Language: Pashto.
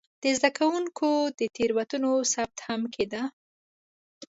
د زده کوونکو د تېروتنو ثبت هم کېده.